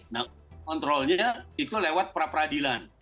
nah kontrolnya itu lewat pra peradilan